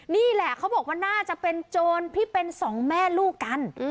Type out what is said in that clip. นี่แหละเขาบอกว่าน่าจะเป็นโจรที่เป็นสองแม่ลูกกัน